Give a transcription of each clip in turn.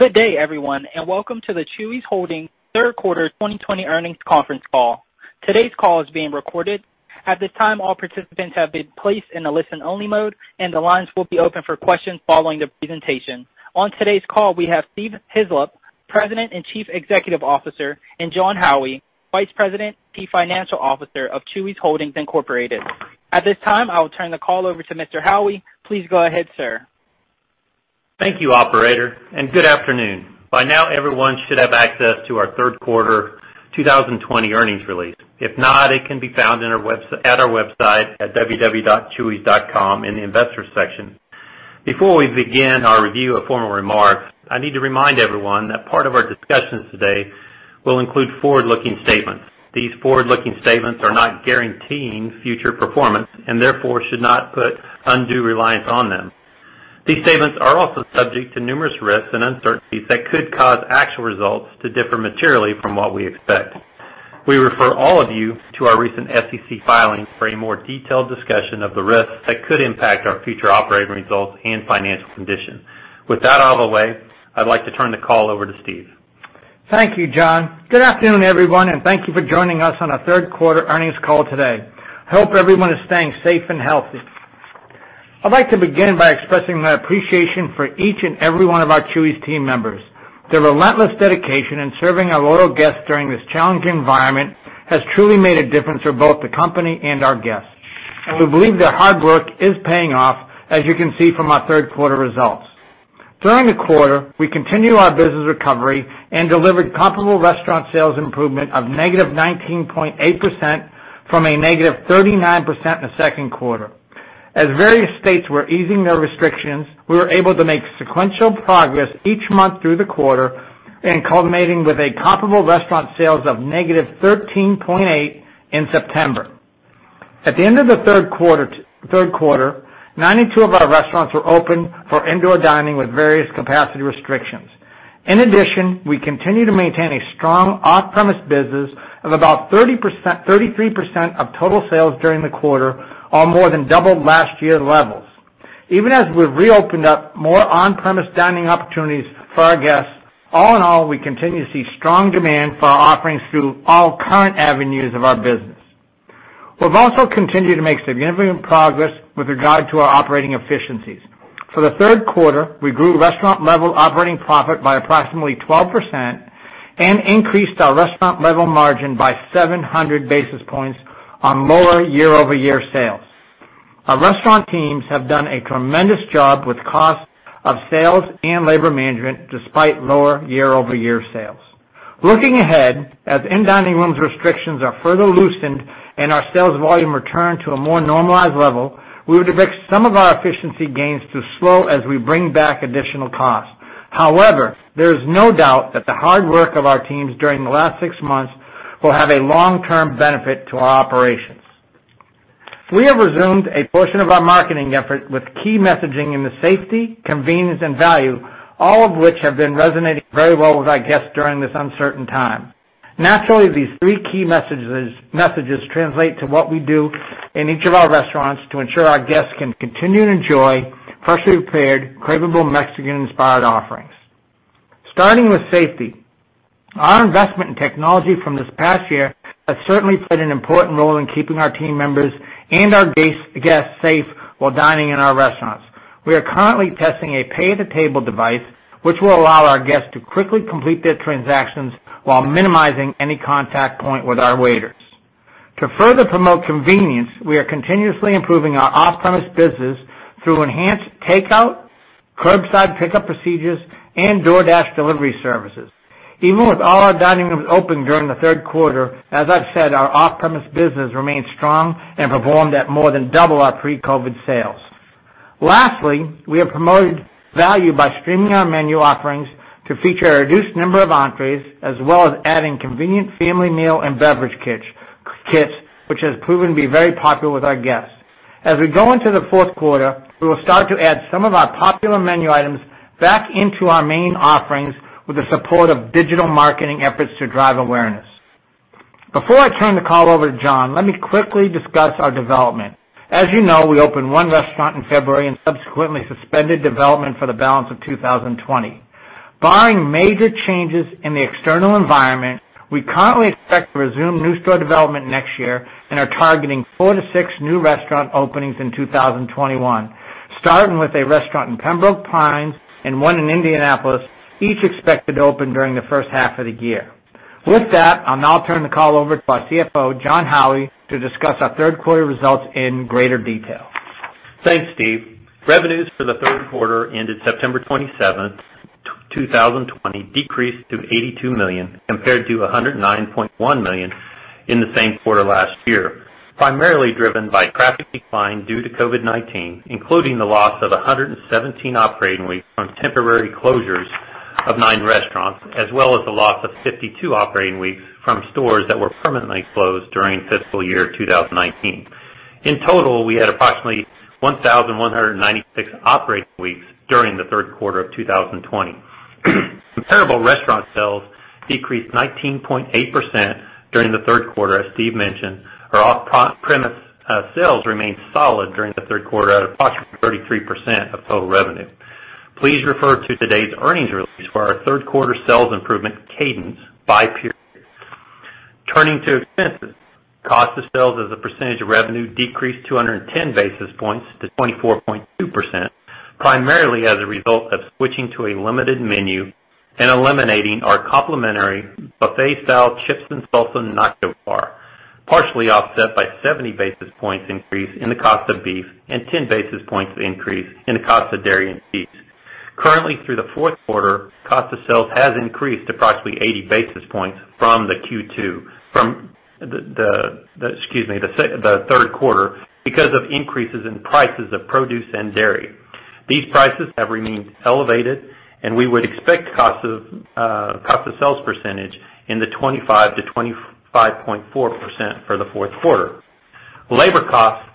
Good day, everyone, and welcome to the Chuy's Holdings third quarter 2020 earnings conference call. Today's call is being recorded. At this time, all participants have been placed in a listen-only mode, and the lines will be open for questions following the presentation. On today's call, we have Steve Hislop, President and Chief Executive Officer, and Jon Howie, Vice President and Chief Financial Officer of Chuy's Holdings Incorporated. At this time, I will turn the call over to Mr. Howie. Please go ahead, sir. Thank you, operator, and good afternoon. By now, everyone should have access to our third quarter 2020 earnings release. If not, it can be found at our website at www.chuys.com in the Investors section. Before we begin our review of formal remarks, I need to remind everyone that part of our discussions today will include forward-looking statements. These forward-looking statements are not guaranteeing future performance, and therefore should not put undue reliance on them. These statements are also subject to numerous risks and uncertainties that could cause actual results to differ materially from what we expect. We refer all of you to our recent SEC filings for a more detailed discussion of the risks that could impact our future operating results and financial condition. With that out of the way, I'd like to turn the call over to Steve. Thank you, Jon. Good afternoon, everyone, thank you for joining us on our third quarter earnings call today. I hope everyone is staying safe and healthy. I'd like to begin by expressing my appreciation for each and every one of our Chuy's team members. Their relentless dedication in serving our loyal guests during this challenging environment has truly made a difference for both the company and our guests, and we believe their hard work is paying off, as you can see from our third quarter results. During the quarter, we continued our business recovery and delivered comparable restaurant sales improvement of -19.8% from a -39% in the second quarter. As various states were easing their restrictions, we were able to make sequential progress each month through the quarter and culminating with a comparable restaurant sales of -13.8% in September. At the end of the third quarter, 92 of our restaurants were open for indoor dining with various capacity restrictions. In addition, we continue to maintain a strong off-premise business of about 33% of total sales during the quarter, or more than double last year's levels. Even as we've reopened up more on-premise dining opportunities for our guests, all in all, we continue to see strong demand for our offerings through all current avenues of our business. We've also continued to make significant progress with regard to our operating efficiencies. For the third quarter, we grew restaurant-level operating profit by approximately 12% and increased our restaurant-level margin by 700 basis points on lower year-over-year sales. Our restaurant teams have done a tremendous job with cost of sales and labor management despite lower year-over-year sales. Looking ahead, as in-dining rooms restrictions are further loosened and our sales volume return to a more normalized level, we would expect some of our efficiency gains to slow as we bring back additional costs. However, there is no doubt that the hard work of our teams during the last six months will have a long-term benefit to our operations. We have resumed a portion of our marketing efforts with key messaging in the safety, convenience, and value, all of which have been resonating very well with our guests during this uncertain time. Naturally, these three key messages translate to what we do in each of our restaurants to ensure our guests can continue to enjoy freshly prepared, cravable Mexican-inspired offerings. Starting with safety our investment in technology from this past year has certainly played an important role in keeping our team members and our guests safe while dining in our restaurants. We are currently testing a pay at the table device, which will allow our guests to quickly complete their transactions while minimizing any contact point with our waiters. To further promote convenience, we are continuously improving our off-premise business through enhanced takeout, curbside pickup procedures, and DoorDash delivery services. Even with all our dining rooms open during the third quarter, as I've said, our off-premise business remains strong and performed at more than double our pre-COVID sales. Lastly, we have promoted value by streaming our menu offerings to feature a reduced number of entrees, as well as adding convenient family meal and beverage kits, which has proven to be very popular with our guests. As we go into the fourth quarter, we will start to add some of our popular menu items back into our main offerings with the support of digital marketing efforts to drive awareness. Before I turn the call over to Jon, let me quickly discuss our development. As you know, we opened one restaurant in February and subsequently suspended development for the balance of 2020. Barring major changes in the external environment, we currently expect to resume new store development next year and are targeting four to six new restaurant openings in 2021, starting with a restaurant in Pembroke Pines and one in Indianapolis, each expected to open during the first half of the year. With that, I'll now turn the call over to our CFO, Jon Howie, to discuss our third quarter results in greater detail. Thanks, Steve. Revenues for the third quarter ended September 27, 2020 decreased to $82 million compared to $109.1 million in the same quarter last year, primarily driven by traffic decline due to COVID-19, including the loss of 117 operating weeks from temporary closures of nine restaurants, as well as the loss of 52 operating weeks from stores that were permanently closed during fiscal year 2019. In total, we had approximately 1,196 operating weeks during the third quarter of 2020. Comparable restaurant sales decreased 19.8% during the third quarter, as Steve mentioned. Our off-premise sales remained solid during the third quarter at approximately 33% of total revenue. Please refer to today's earnings release for our third quarter sales improvement cadence by period. Turning to expenses. Cost of sales as a percentage of revenue decreased 210 basis points to 24.2%, primarily as a result of switching to a limited menu and eliminating our complimentary buffet-style chips and salsa Nacho Car, partially offset by 70 basis points increase in the cost of beef and 10 basis points increase in the cost of dairy and beef. Currently, through the fourth quarter, cost of sales has increased approximately 80 basis points from the third quarter because of increases in prices of produce and dairy. These prices have remained elevated, we would expect cost of sales percentage in the 25%-25.4% for the fourth quarter. Labor cost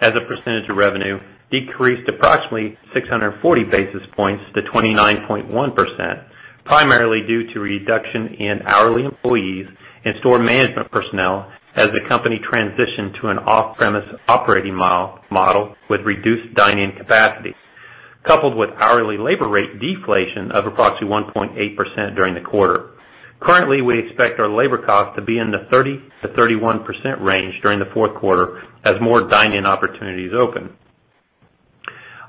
as a percentage of revenue decreased approximately 640 basis points to 29.1%, primarily due to reduction in hourly employees and store management personnel as the company transitioned to an off-premise operating model with reduced dine-in capacity, coupled with hourly labor rate deflation of approximately 1.8% during the quarter. Currently, we expect our labor cost to be in the 30%-31% range during the fourth quarter as more dine-in opportunities open.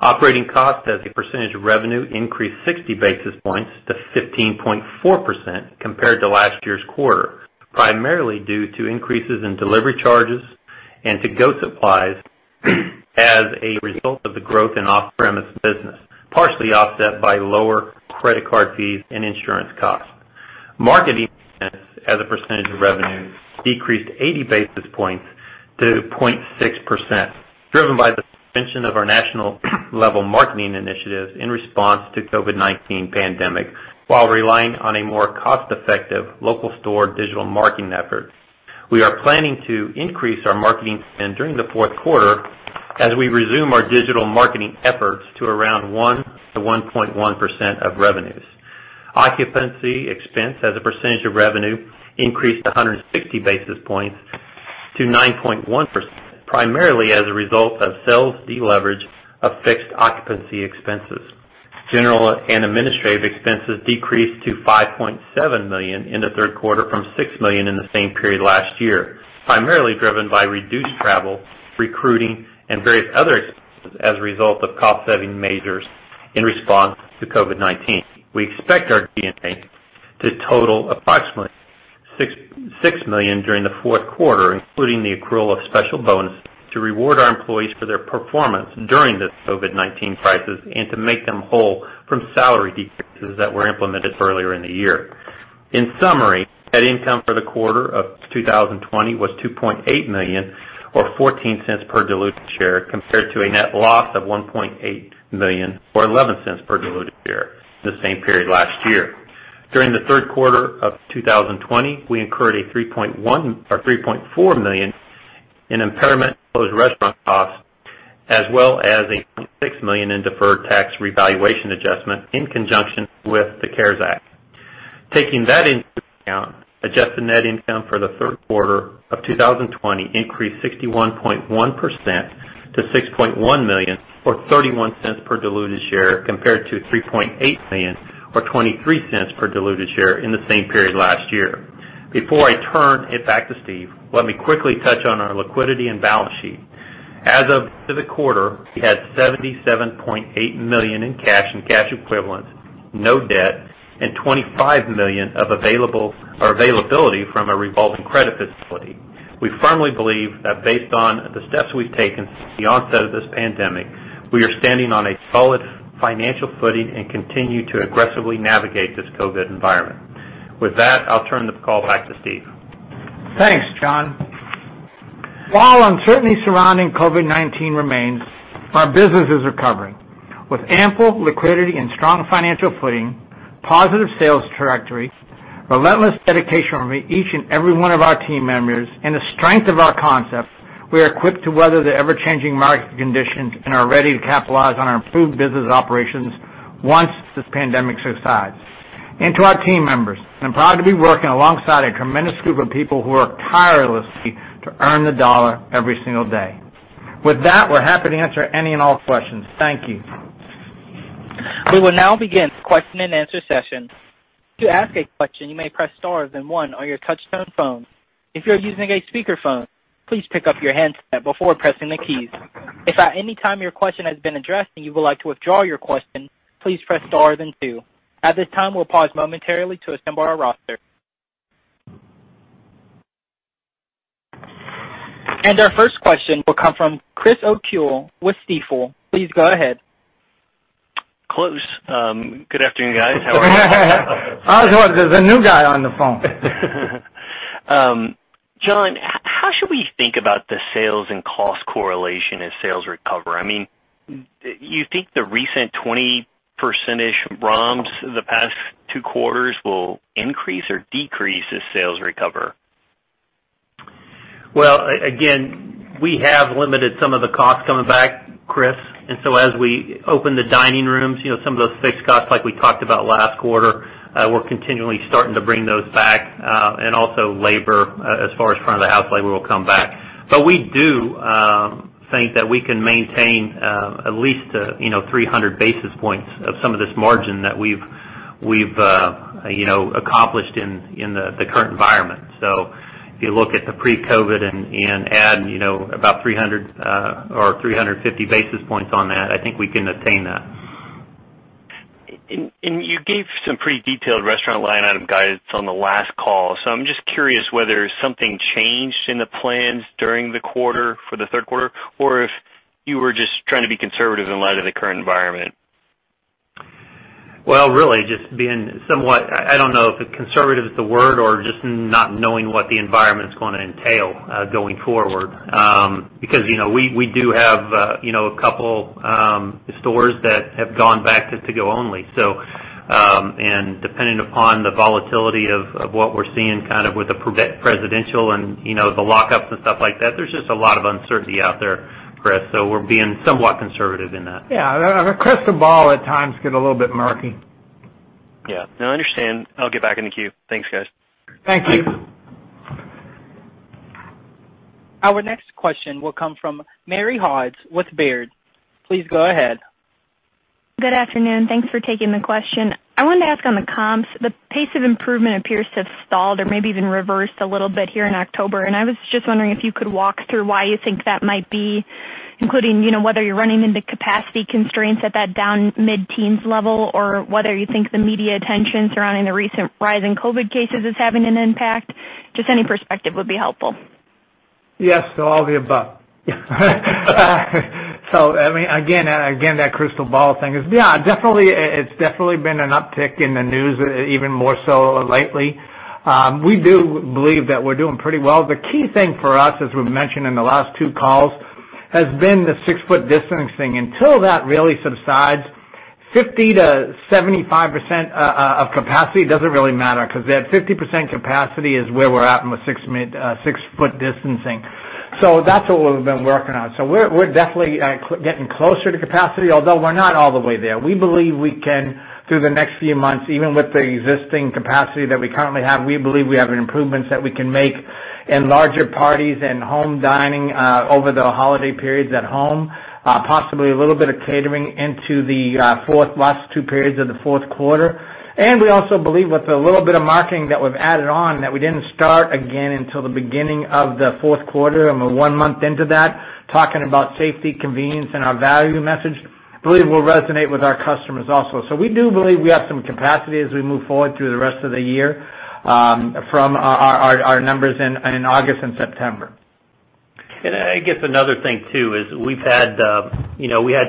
Operating costs as a percentage of revenue increased 60 basis points to 15.4% compared to last year's quarter, primarily due to increases in delivery charges and to-go supplies as a result of the growth in off-premise business, partially offset by lower credit card fees and insurance costs. Marketing expense as a percentage of revenue decreased 80 basis points to 0.6%, driven by the suspension of our national level marketing initiatives in response to COVID-19 pandemic, while relying on a more cost-effective local store digital marketing effort. We are planning to increase our marketing spend during the fourth quarter as we resume our digital marketing efforts to around 1% to 1.1% of revenues. Occupancy expense as a percentage of revenue increased 160 basis points to 9.1%, primarily as a result of sales de-leverage of fixed occupancy expenses. General and administrative expenses decreased to $5.7 million in the third quarter from $6 million in the same period last year, primarily driven by reduced travel, recruiting, and various other expenses as a result of cost-saving measures in response to COVID-19. We expect our G&A to total approximately $6 million during the fourth quarter, including the accrual of special bonus to reward our employees for their performance during this COVID-19 crisis and to make them whole from salary decreases that were implemented earlier in the year. In summary, net income for the quarter of 2020 was $2.8 million, or $0.14 per diluted share, compared to a net loss of $1.8 million, or $0.11 per diluted share in the same period last year. During the third quarter of 2020, we incurred a $3.4 million in impairment closed restaurant costs, as well as a $0.6 million in deferred tax revaluation adjustment in conjunction with the CARES Act. Taking that into account, adjusted net income for the third quarter of 2020 increased 61.1% to $6.1 million, or $0.31 per diluted share, compared to $3.8 million or $0.23 per diluted share in the same period last year. Before I turn it back to Steve, let me quickly touch on our liquidity and balance sheet. As of the end of the quarter, we had $77.8 million in cash and cash equivalents, no debt, and $25 million of availability from a revolving credit facility. We firmly believe that based on the steps we've taken since the onset of this pandemic, we are standing on a solid financial footing and continue to aggressively navigate this COVID environment. With that, I'll turn the call back to Steve. Thanks, Jon. While uncertainty surrounding COVID-19 remains, our business is recovering. With ample liquidity and strong financial footing, positive sales trajectory, relentless dedication from each and every one of our team members, and the strength of our concept, we are equipped to weather the ever-changing market conditions and are ready to capitalize on our improved business operations once this pandemic subsides. To our team members, I'm proud to be working alongside a tremendous group of people who work tirelessly to earn the dollar every single day. With that, we're happy to answer any and all questions. Thank you. We will now begin the question and answer session. At this time, we'll pause momentarily to assemble our roster. Our first question will come from Chris O'Cull with Stifel. Please go ahead. Close. Good afternoon, guys. How are you? I was wondering, there's a new guy on the phone. Jon, how should we think about the sales and cost correlation as sales recover? You think the recent 20% ROMs the past two quarters will increase or decrease as sales recover? Well, again, we have limited some of the costs coming back, Chris. As we open the dining rooms, some of those fixed costs, like we talked about last quarter, we're continually starting to bring those back. Also labor, as far as front of the house labor, will come back. We do think that we can maintain at least 300 basis points of some of this margin that we've accomplished in the current environment. If you look at the pre-COVID and add about 300 or 350 basis points on that, I think we can attain that. You gave some pretty detailed restaurant line item guidance on the last call. I'm just curious whether something changed in the plans during the quarter for the third quarter, or if you were just trying to be conservative in light of the current environment. Well, really just being somewhat, I don't know if conservative is the word, or just not knowing what the environment's going to entail going forward. Because we do have a couple stores that have gone back to to-go only. Depending upon the volatility of what we're seeing with the presidential and the lockups and stuff like that, there's just a lot of uncertainty out there, Chris. We're being somewhat conservative in that. Yeah. The crystal ball at times get a little bit murky. Yeah. No, I understand. I'll get back in the queue. Thanks, guys. Thank you. Thanks. Our next question will come from Mary Hodes with Baird. Please go ahead. Good afternoon. Thanks for taking the question. I wanted to ask on the comps, the pace of improvement appears to have stalled or maybe even reversed a little bit here in October. I was just wondering if you could walk through why you think that might be, including whether you're running into capacity constraints at that down mid-teens level, or whether you think the media attention surrounding the recent rise in COVID-19 cases is having an impact. Just any perspective would be helpful. Yes to all the above. Again, that crystal ball thing, it's definitely been an uptick in the news, even more so lately. We do believe that we're doing pretty well the key thing for us, as we've mentioned in the last two calls, has been the six-foot distancing. Until that really subsides, 50%-75% of capacity, it doesn't really matter because that 50% capacity is where we're at with six-foot distancing. That's what we've been working on. We're definitely getting closer to capacity, although we're not all the way there we believe we can, through the next few months, even with the existing capacity that we currently have, we believe we have improvements that we can make in larger parties and home dining over the holiday periods at home. Possibly a little bit of catering into the last two periods of the fourth quarter. We also believe with the little bit of marketing that we've added on that we didn't start again until the beginning of the fourth quarter, and we're one month into that, talking about safety, convenience, and our value message, believe will resonate with our customers also. We do believe we have some capacity as we move forward through the rest of the year from our numbers in August and September. I guess another thing, too, is we had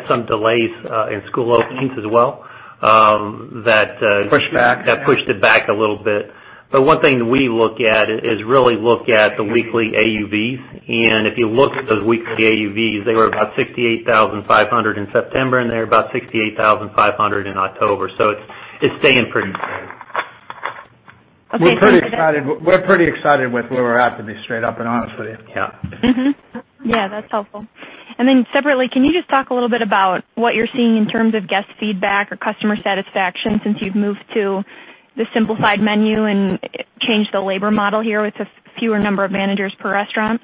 some delays in school openings as well pushed back that pushed it back a little bit. One thing that we look at is really look at the weekly AUVs. If you look at those weekly AUVs, they were about 68,500 in September, and they were about 68,500 in October. It's staying pretty stable. Okay. We're pretty excited with where we're at, to be straight up and honest with you. Yeah. Mm-hmm. Yeah, that's helpful. Then separately, can you just talk a little bit about what you're seeing in terms of guest feedback or customer satisfaction since you've moved to the simplified menu and changed the labor model here with a fewer number of managers per restaurant?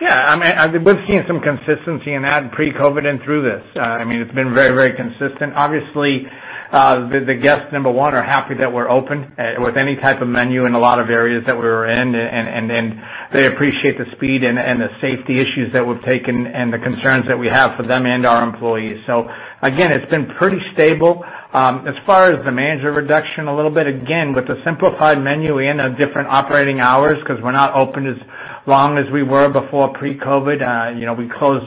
Yeah. We've seen some consistency in that pre-COVID and through this. It's been very consistent. Obviously, the guests, number one, are happy that we're open with any type of menu in a lot of areas that we were in. They appreciate the speed and the safety issues that we've taken and the concerns that we have for them and our employees. Again, it's been pretty stable. As far as the manager reduction a little bit, again, with the simplified menu and different operating hours, because we're not open as long as we were before pre-COVID. We close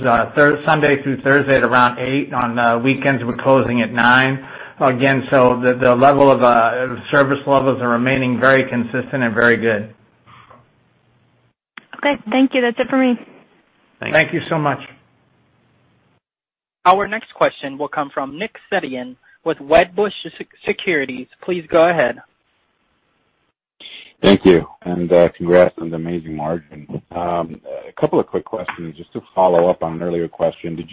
Sunday through Thursday at around 8:00 P.M. On weekends, we're closing at 9:00 P.M. Again, the service levels are remaining very consistent and very good. Okay. Thank you. That's it for me. Thank you so much. Our next question will come from Nick Setyan with Wedbush Securities. Please go ahead. Thank you, and congrats on the amazing margin. A couple of quick questions just to follow up on an earlier question. Did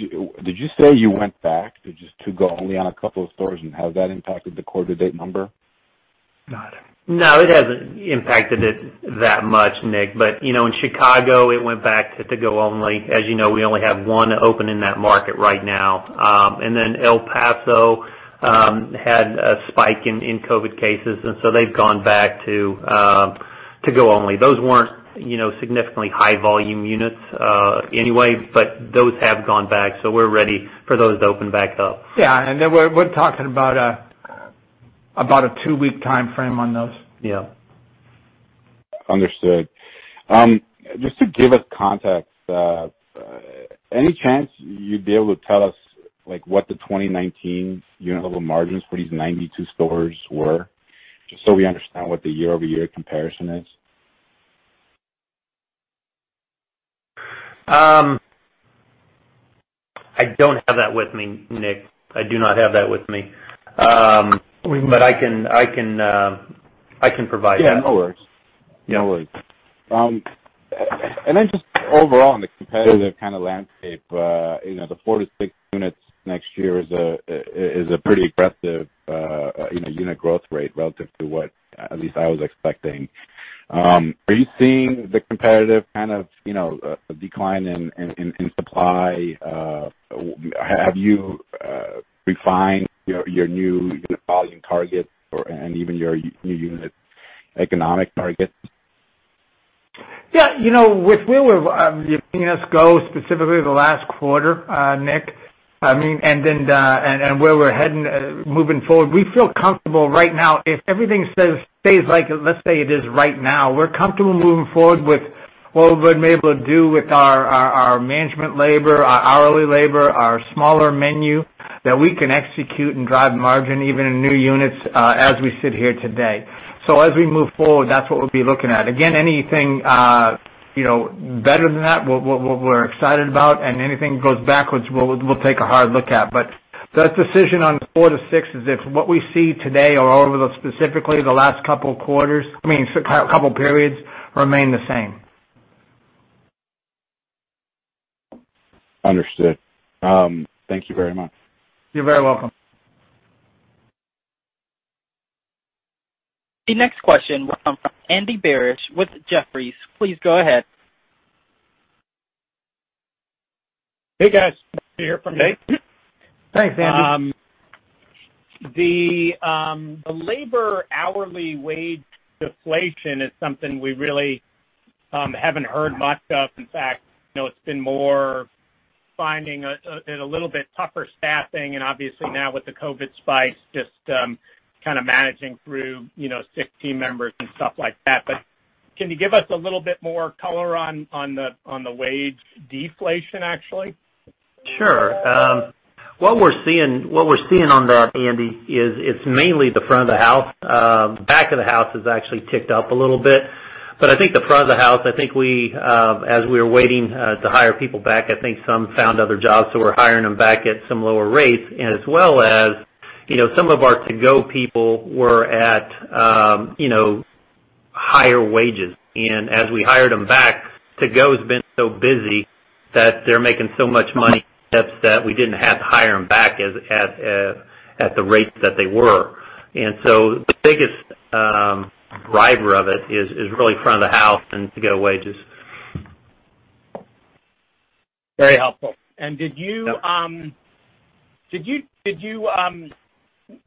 you say you went back to just to-go only on a couple of stores, and has that impacted the quarter-to-date number? No. No, it hasn't impacted it that much, Nick. In Chicago, it went back to to-go only. As you know, we only have one open in that market right now. El Paso had a spike in COVID cases, and so they've gone back to to-go only. Those weren't significantly high volume units anyway, but those have gone back, so we're ready for those to open back up. Yeah. Then we're talking about a two-week timeframe on those. Yeah. Understood. To give us context, any chance you'd be able to tell us what the 2019 unit level margins for these 92 stores were, just so we understand what the year-over-year comparison is? I don't have that with me, Nick. I do not have that with me. I can provide that. Yeah, no worries. Just overall, Nick, competitive kind of landscape, the four to six units next year is a pretty aggressive unit growth rate relative to what at least I was expecting. Are you seeing the competitive kind of decline in supply? Have you refined your new unit volume targets or/and even your new unit economic targets? Yeah. With where the units go, specifically the last quarter, Nick, and where we're heading, moving forward, we feel comfortable right now. If everything stays like, let's say it is right now, we're comfortable moving forward with what we've been able to do with our management labor, our hourly labor, our smaller menu, that we can execute and drive margin even in new units, as we sit here today. As we move forward, that's what we'll be looking at. Again, anything better than that, we're excited about, and anything goes backwards, we'll take a hard look at. That decision on four to six is if what we see today or over, specifically, the last couple of quarters, I mean, couple periods, remain the same. Understood. Thank you very much. You're very welcome. The next question will come from Andy Barish with Jefferies. Please go ahead. Hey, guys. Good to hear from you. Thanks, Andy. The labor hourly wage deflation is something we really haven't heard much of. In fact, it's been more finding a little bit tougher staffing, and obviously now with the COVID spikes, just kind of managing through sick team members and stuff like that. Can you give us a little bit more color on the wage deflation, actually? Sure. What we're seeing, Andy, is it's mainly the front of the house. The back of the house has actually ticked up a little bit. I think the front of the house, I think as we were waiting to hire people back, I think some found other jobs, so we're hiring them back at some lower rates. As well as some of our to-go people were at higher wages, and as we hired them back, to-go's been so busy that they're making so much money such that we didn't have to hire them back at the rates that they were. The biggest driver of it is really front of the house and to-go wages. Very helpful. Did you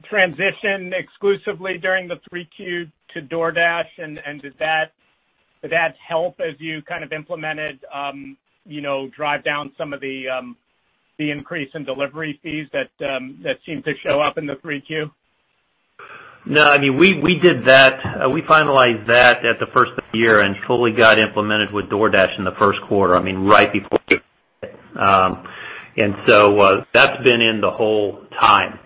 transition exclusively during the 3Q to DoorDash, and did that help as you kind of implemented, drive down some of the increase in delivery fees that seemed to show up in the 3Q? No, I mean, we did that. We finalized that at the first of the year and fully got implemented with DoorDash in the first quarter, right before. That's been in the whole time.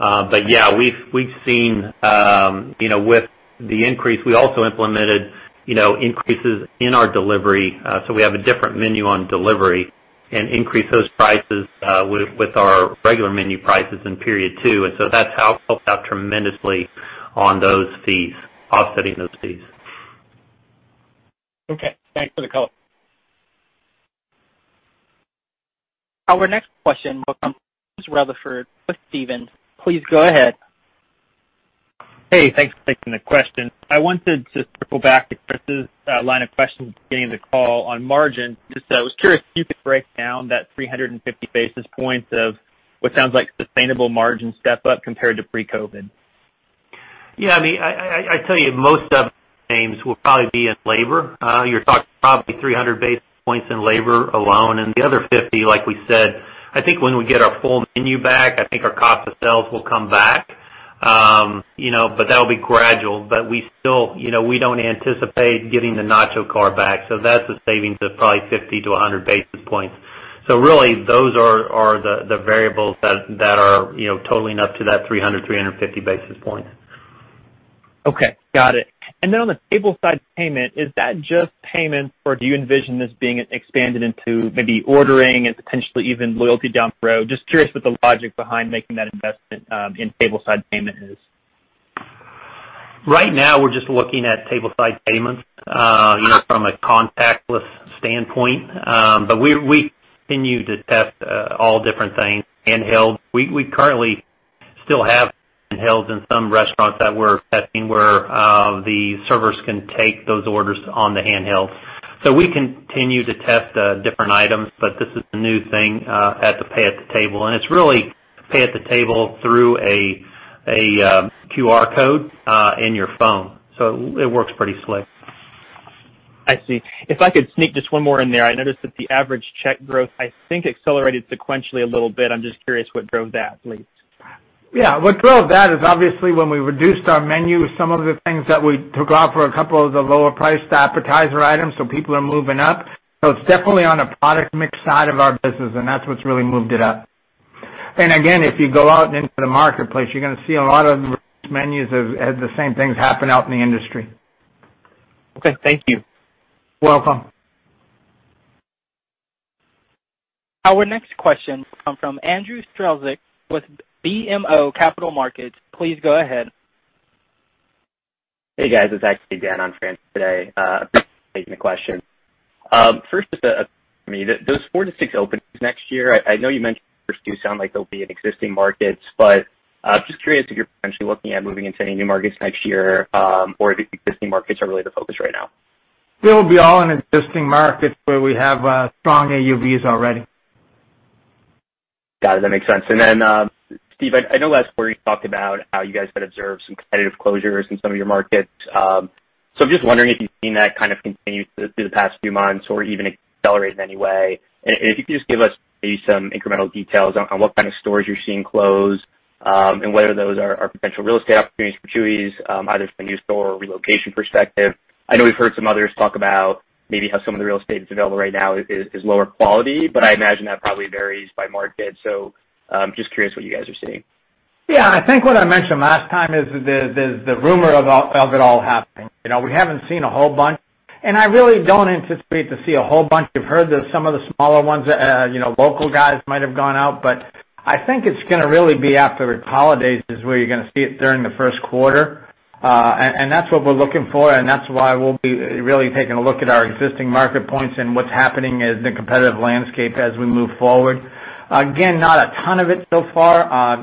Yeah, we've seen with the increase, we also implemented increases in our delivery. We have a different menu on delivery and increased those prices with our regular menu prices in period two. That's helped out tremendously on those fees, offsetting those fees. Okay. Thanks for the color. Our next question will come from James Rutherford with Stephens. Please go ahead. Hey, thanks for taking the question. I wanted to circle back to Chris' line of questioning at the beginning of the call on margin. I was curious if you could break down that 350 basis points of what sounds like sustainable margin step up compared to pre-COVID. Yeah. I tell you, most of the savings will probably be in labor. You're talking probably 300 basis points in labor alone, and the other 50 basis points, like we said, I think when we get our full menu back, I think our cost of sales will come back. That'll be gradual. We don't anticipate getting the Nacho Car back. That's a savings of probably 50 basis points to 100 basis points. Really, those are the variables that are totaling up to that 300 basis points, 350 basis points. Okay. Got it. On the tableside payment, is that just payments, or do you envision this being expanded into maybe ordering and potentially even loyalty down the road? Just curious what the logic behind making that investment in tableside payment is. Right now, we're just looking at tableside payments from a contactless standpoint. We continue to test all different things. Handheld, we currently still have handhelds in some restaurants that we're testing where the servers can take those orders on the handheld. We continue to test different items, but this is a new thing, as a pay at the table, and it's really pay at the table through a QR code in your phone. It works pretty slick. I see. If I could sneak just one more in there. I noticed that the average check growth, I think, accelerated sequentially a little bit. I'm just curious what drove that, please. Yeah. What drove that is obviously when we reduced our menu, some of the things that we took off were a couple of the lower priced appetizer items, so people are moving up. It's definitely on a product mix side of our business, and that's what's really moved it up. Again, if you go out into the marketplace, you're going to see a lot of menus have the same things happen out in the industry. Okay. Thank you. Welcome. Our next question come from Andrew Strelzik with BMO Capital Markets. Please go ahead. Hey, guys. It's actually Dan on for Andrew today. Appreciate you taking the question. First, just those four to six openings next year, I know you mentioned they do sound like they'll be in existing markets, but just curious if you're potentially looking at moving into any new markets next year, or if existing markets are really the focus right now. It'll be all in existing markets where we have strong AUVs already. Got it. That makes sense. Steve, I know last quarter you talked about how you guys had observed some competitive closures in some of your markets. I'm just wondering if you've seen that kind of continue through the past few months or even accelerate in any way. If you could just give us maybe some incremental details on what kind of stores you're seeing close, and whether those are potential real estate opportunities for Chuy's, either from a new store or relocation perspective. I know we've heard some others talk about maybe how some of the real estate that's available right now is lower quality, but I imagine that probably varies by market. Just curious what you guys are seeing. Yeah, I think what I mentioned last time is the rumor of it all happening. We haven't seen a whole bunch, and I really don't anticipate to see a whole bunch. We've heard that some of the smaller ones, local guys might have gone out, but I think it's going to really be after the holidays is where you're going to see it during the first quarter. That's what we're looking for, and that's why we'll be really taking a look at our existing market points and what's happening in the competitive landscape as we move forward. Again, not a ton of it so far.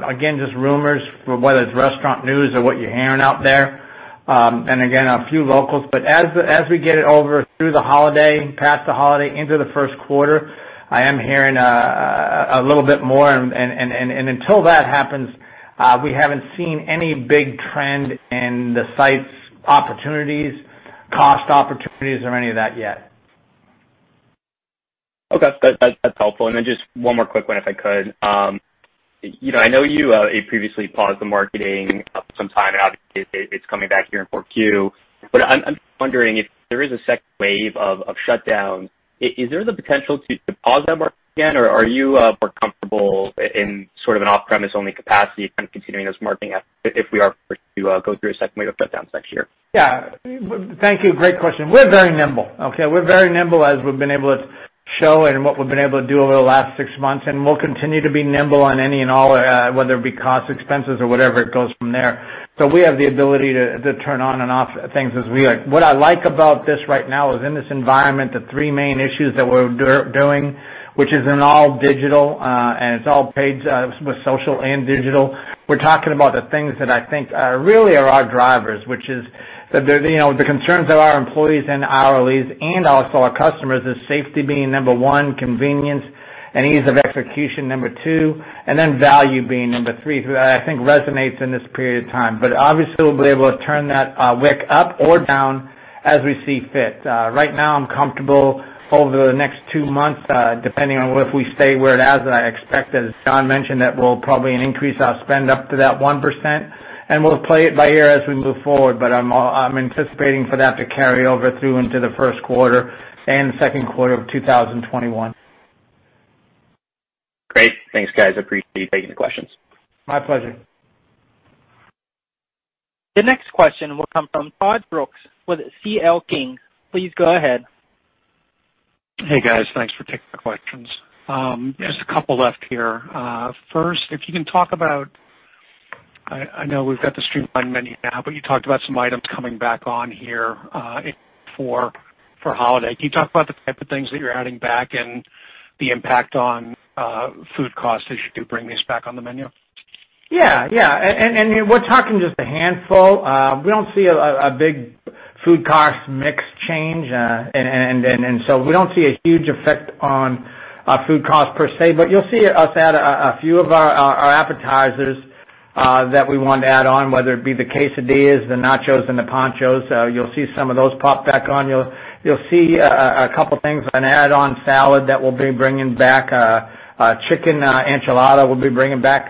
Again, just rumors, whether it's restaurant news or what you're hearing out there. Again, a few locals. As we get it over through the holiday, past the holiday into the first quarter, I am hearing a little bit more. Until that happens, we haven't seen any big trend in the sites opportunities, cost opportunities, or any of that yet. Okay. That's helpful. Then just one more quick one if I could. I know you previously paused the marketing up some time, and obviously it's coming back here in 4Q, but I'm wondering if there is a second wave of shutdowns, is there the potential to pause that marketing again, or are you more comfortable in sort of an off-premise only capacity kind of continuing those marketing efforts if we are forced to go through a second wave of shutdowns next year? Yeah. Thank you. Great question. We're very nimble. Okay? We're very nimble as we've been able to show and what we've been able to do over the last 6 months, and we'll continue to be nimble on any and all, whether it be cost expenses or whatever it goes from there. We have the ability to turn on and off things as we like. What I like about this right now is in this environment, the three main issues that we're doing, which is in all digital, and it's all paid with social and digital. We're talking about the things that I think are really are our drivers, which is the concerns of our employees and hourlies and also our customers is safety being number one, convenience and ease of execution number two, and then value being number three that, I think, resonates in this period of time. Obviously, we'll be able to turn that wick up or down as we see fit. Right now, I'm comfortable over the next two months, depending on if we stay where it is, I expect, as Jon mentioned, that we'll probably increase our spend up to that 1%, and we'll play it by ear as we move forward. I'm anticipating for that to carry over through into the 1st quarter and 2nd quarter of 2021. Great. Thanks, guys. I appreciate you taking the questions. My pleasure. The next question will come from Todd Brooks with C.L. King. Please go ahead. Hey, guys. Thanks for taking the questions. Yes. Just a couple left here. First, if you can talk about, I know we've got the streamlined menu now, but you talked about some items coming back on here for holiday. Can you talk about the type of things that you're adding back and the impact on food costs as you do bring these back on the menu? Yeah. We're talking just a handful. We don't see a big food cost mix change, so we don't see a huge effect on food cost per se. You'll see us add a few of our appetizers that we want to add on, whether it be the quesadillas, the nachos, and the Panchos. You'll see some of those pop back on. You'll see a couple of things, an add-on salad that we'll be bringing back. A chicken enchilada we'll be bringing back.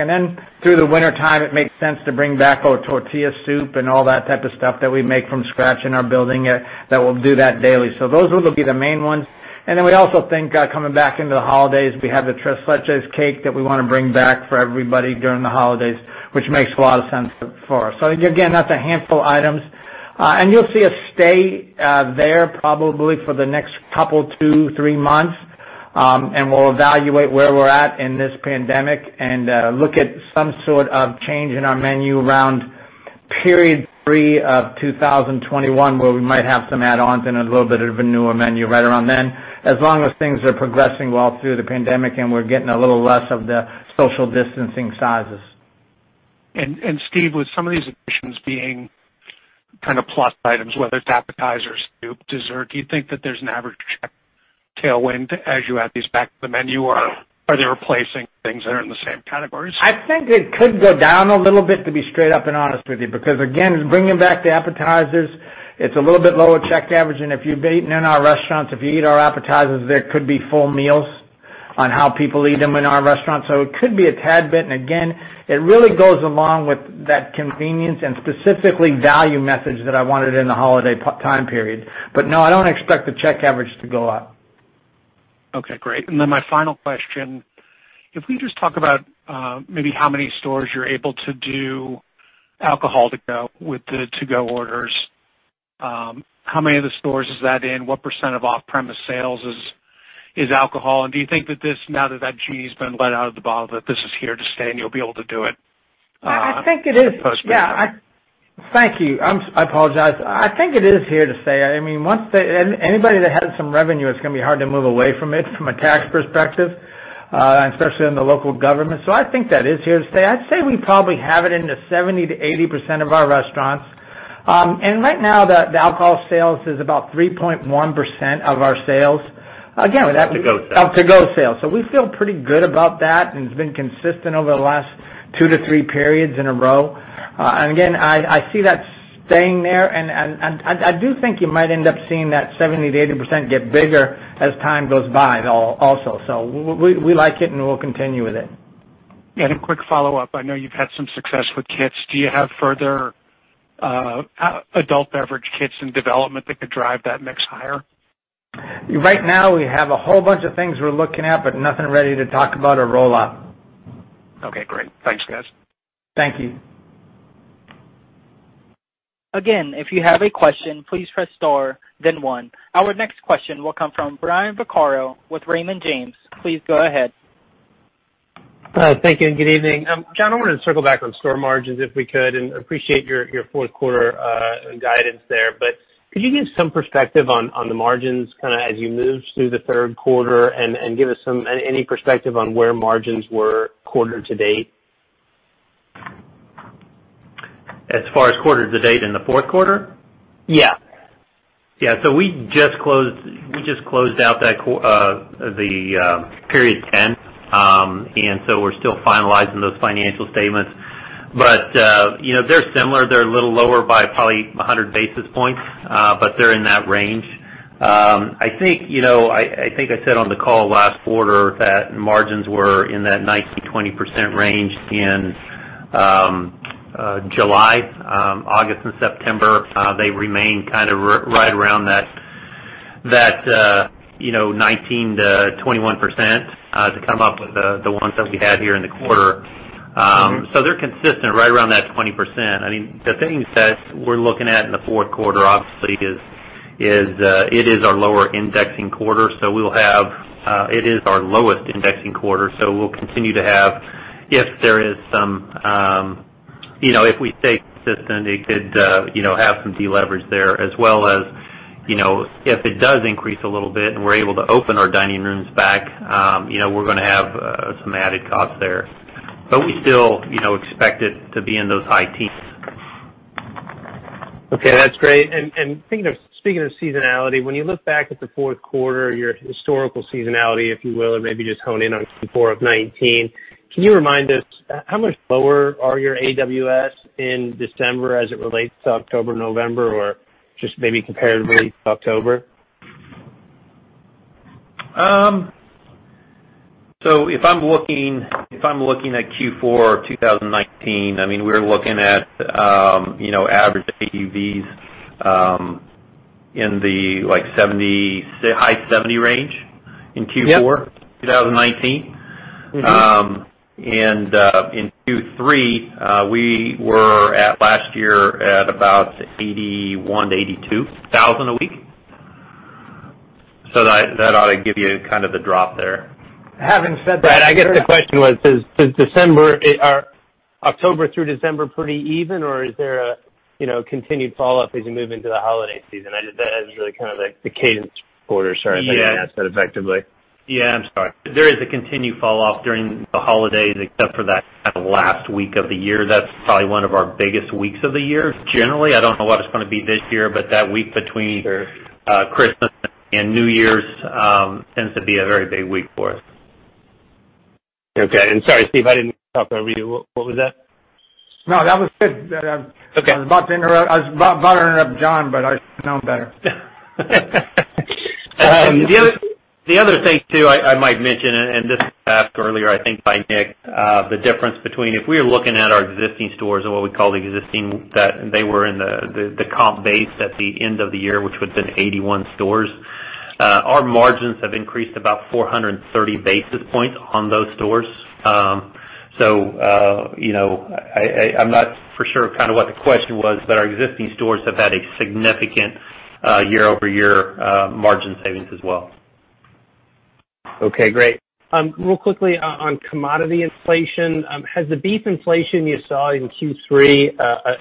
Through the wintertime, it makes sense to bring back our tortilla soup and all that type of stuff that we make from scratch in our building that we'll do that daily. Those will be the main ones. Then we also think, coming back into the holidays, we have the Tres Leches Cake that we want to bring back for everybody during the holidays, which makes a lot of sense for us. Again, that's a handful of items. You'll see us stay there probably for the next couple two, three months, and we'll evaluate where we're at in this pandemic and look at some sort of change in our menu around period three of 2021, where we might have some add-ons and a little bit of a newer menu right around then, as long as things are progressing well through the pandemic and we're getting a little less of the social distancing sizes. Steve, with some of these additions being kind of plus items, whether it's appetizers, soup, dessert, do you think that there's an average check tailwind as you add these back to the menu, or are they replacing things that are in the same categories? I think it could go down a little bit, to be straight up and honest with you, because again, bringing back the appetizers, it's a little bit lower check average. If you've eaten in our restaurants, if you eat our appetizers, they could be full meals on how people eat them in our restaurants. It could be a tad bit, and again, it really goes along with that convenience and specifically value message that I wanted in the holiday time period. No, I don't expect the check average to go up. Okay, great. My final question, if we just talk about maybe how many stores you're able to do alcohol to-go with the to-go orders, how many of the stores is that in? What % of off-premise sales is alcohol? Do you think that this, now that that genie's been let out of the bottle, that this is here to stay, and you'll be able to do it post-pandemic? Thank you. I apologize. I think it is here to stay. Anybody that has some revenue, it's going to be hard to move away from it from a tax perspective, especially in the local government. I think that is here to stay. I'd say we probably have it into 70%-80% of our restaurants. Right now, the alcohol sales is about 3.1% of our sales. Of to-go sales. Of to-go sales. We feel pretty good about that, and it's been consistent over the last two to three periods in a row. Again, I see that staying there, and I do think you might end up seeing that 70%-80% get bigger as time goes by, also. We like it, and we'll continue with it. A quick follow-up. I know you've had some success with kits. Do you have further adult beverage kits in development that could drive that mix higher? Right now, we have a whole bunch of things we're looking at, but nothing ready to talk about or roll out. Okay, great. Thanks, guys. Thank you. Our next question will come from Brian Vaccaro with Raymond James. Please go ahead. Thank you, good evening. Jon, I wanted to circle back on store margins, if we could, and appreciate your fourth quarter guidance there. Could you give some perspective on the margins as you move through the third quarter and give us any perspective on where margins were quarter to date? As far as quarter to date in the fourth quarter? Yeah. Yeah. We just closed out the period 10th, and so we're still finalizing those financial statements. They're similar. They're a little lower by probably 100 basis points, but they're in that range. I think I said on the call last quarter that margins were in that 19%-20% range in July. August and September, they remained right around that 19%-21% to come up with the ones that we had here in the quarter. They're consistent right around that 20%. That being said, we're looking at, in the fourth quarter, obviously it is our lower indexing quarter. It is our lowest indexing quarter, so we'll continue to have, if we stay consistent, it could have some deleverage there as well as if it does increase a little bit and we're able to open our dining rooms back, we're going to have some added cost there. We still expect it to be in those high teens. Okay, that's great. Speaking of seasonality, when you look back at the fourth quarter, your historical seasonality, if you will, or maybe just hone in on Q4 of 2019, can you remind us how much lower are your AWS in December as it relates to October, November, or just maybe compared to at least October? If I'm looking at Q4 of 2019, we're looking at average AUVs in the high $70 range in Q4. Yep. 2019. In Q3, we were at last year at about $81,000-$82,000 a week. That ought to give you the drop there. Having said that. Brian, I guess the question was, is October through December pretty even, or is there a continued fall off as you move into the holiday season? That is really the cadence for a quarter. Sorry, I didn't ask that effectively. Yeah. I'm sorry. There is a continued fall off during the holidays except for that last week of the year. That's probably one of our biggest weeks of the year, generally. I don't know what it's going to be this year, but that week between- Sure Christmas and New Year's tends to be a very big week for us. Okay. Sorry, Steve, I didn't talk over you. What was that? No, that was good. Okay. I was about to interrupt Jon, but I should've known better. The other thing, too, I might mention, and this was asked earlier, I think, by Nick, the difference between if we are looking at our existing stores or what we call the existing, that they were in the comp base at the end of the year, which would've been 81 stores. Our margins have increased about 430 basis points on those stores. I'm not for sure what the question was, but our existing stores have had a significant year-over-year margin savings as well. Okay, great. Real quickly on commodity inflation, has the beef inflation you saw in Q3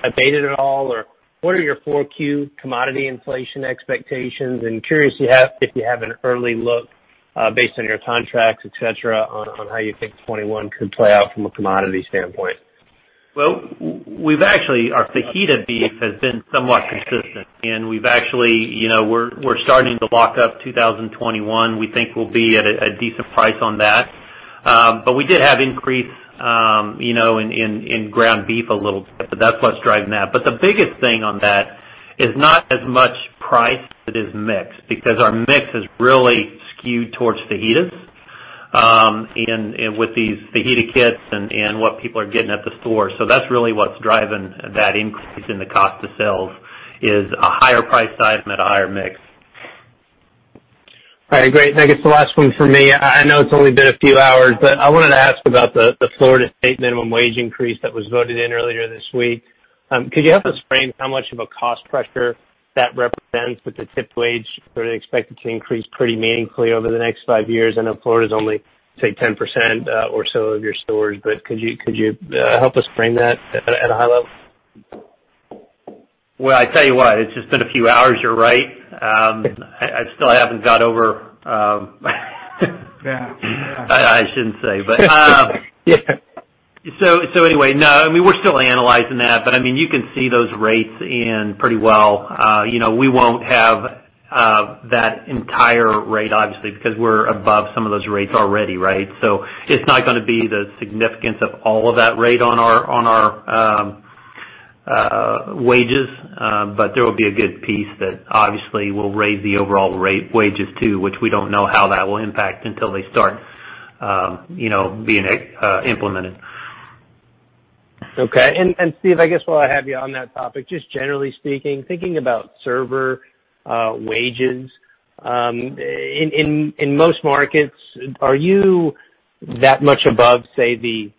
abated at all, or what are your 4Q commodity inflation expectations? Curious if you have an early look based on your contracts, et cetera, on how you think 2021 could play out from a commodity standpoint. Our fajita beef has been somewhat consistent, and we're starting to lock up 2021. We think we'll be at a decent price on that. We did have increase in ground beef a little bit, that's what's driving that. The biggest thing on that is not as much price as it is mix, because our mix is really skewed towards fajitas. With these fajita kits and what people are getting at the store. That's really what's driving that increase in the cost of sales, is a higher price size and at a higher mix. All right, great. I think it's the last one for me. I know it's only been a few hours, but I wanted to ask about the Florida State minimum wage increase that was voted in earlier this week. Could you help us frame how much of a cost pressure that represents with the tipped wage, sort of expected to increase pretty meaningfully over the next five years? I know Florida is only, say, 10% or so of your stores, but could you help us frame that at a high level? Well, I tell you what, it's just been a few hours, you're right. I still haven't got over. Yeah. I shouldn't say, but- Yeah Anyway, no, we're still analyzing that, but you can see those rates in pretty well. We won't have that entire rate, obviously, because we're above some of those rates already, right? It's not going to be the significance of all of that rate on our wages. There will be a good piece that obviously will raise the overall rate wages, too, which we don't know how that will impact until they start being implemented. Okay. Steve, I guess while I have you on that topic, just generally speaking, thinking about server wages, in most markets, are you that much above, say, the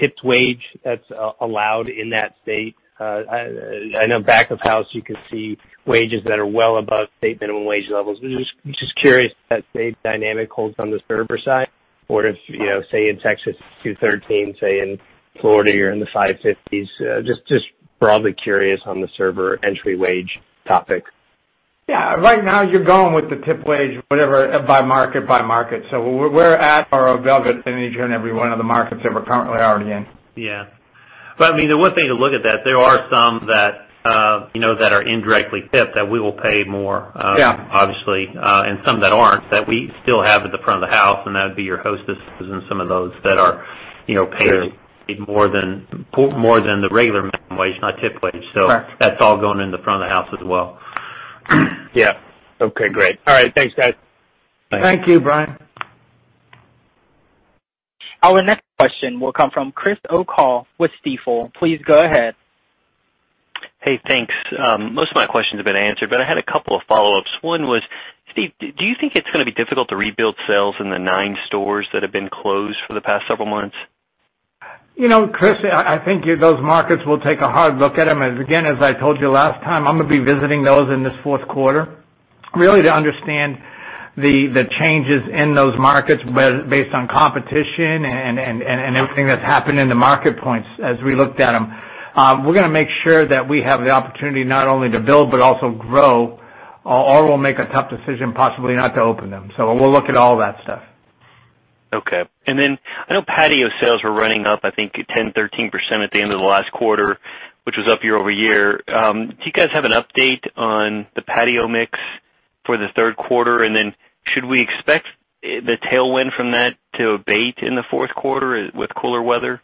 tipped wage that's allowed in that state? I know back of house, you can see wages that are well above state minimum wage levels. I'm just curious if that same dynamic holds on the server side or if, say, in Texas, $2.13, say, in Florida, you're in the $5.50s. Just broadly curious on the server entry wage topic. Yeah. Right now, you're going with the tip wage, whatever, by market. Where we're at are above it in each and every one of the markets that we're currently already in. Yeah. One thing to look at that, there are some that are indirectly tipped that we will pay more. Yeah Obviously, some that aren't, that we still have at the front of the house, and that would be your hostesses and some of those that are paid more than the regular minimum wage, not tipped wage. Correct. that's all going in the front of the house as well. Yeah. Okay, great. All right, thanks, guys. Thank you, Brian. Our next question will come from Chris O'Cull with Stifel. Please go ahead. Hey, thanks. Most of my questions have been answered, but I had a couple of follow-ups. One was, Steve, do you think it's going to be difficult to rebuild sales in the nine stores that have been closed for the past several months? Chris, I think those markets will take a hard look at them. And again, as I told you last time, I'm going to be visiting those in this fourth quarter, really to understand the changes in those markets based on competition and everything that's happened in the market points as we looked at them. We're going to make sure that we have the opportunity not only to build but also grow, or we'll make a tough decision possibly not to open them. We'll look at all that stuff. Okay. I know patio sales were running up, I think, 10, 13% at the end of the last quarter, which was up year-over-year. Do you guys have an update on the patio mix for the third quarter? Should we expect the tailwind from that to abate in the fourth quarter with cooler weather?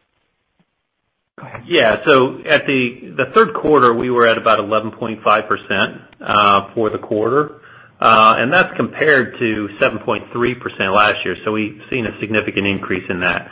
Yeah. At the third quarter, we were at about 11.5% for the quarter. That's compared to 7.3% last year. We've seen a significant increase in that.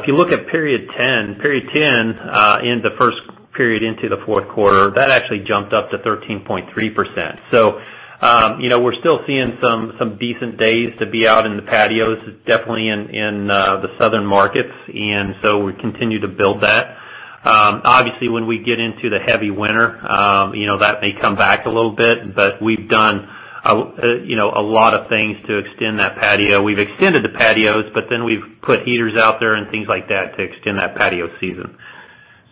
If you look at period 10 in the first period into the fourth quarter, that actually jumped up to 13.3%. We're still seeing some decent days to be out in the patios, definitely in the southern markets. We continue to build that. Obviously, when we get into the heavy winter, that may come back a little bit, but we've done a lot of things to extend that patio. We've extended the patios, we've put heaters out there and things like that to extend that patio season.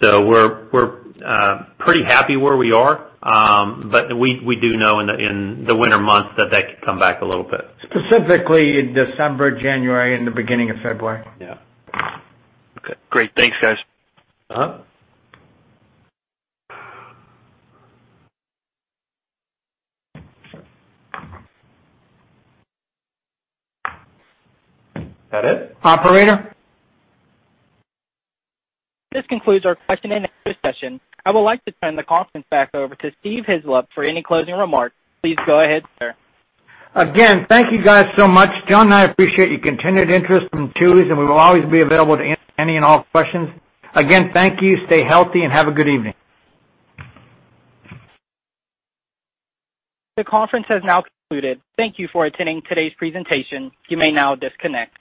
We're pretty happy where we are. We do know in the winter months that could come back a little bit. Specifically in December, January, and the beginning of February. Yeah. Okay, great. Thanks, guys. Uh-huh. Is that it? Operator? This concludes our question and answer session. I would like to turn the conference back over to Steve Hislop for any closing remarks. Please go ahead, sir. Again, thank you guys so much. Jon and I appreciate your continued interest in Chuy's. We will always be available to answer any and all questions. Again, thank you. Stay healthy and have a good evening. The conference has now concluded. Thank you for attending today's presentation. You may now disconnect.